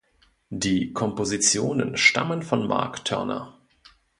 Die Kompositionen stammen von Mark Turner.